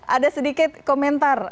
ada sedikit komentar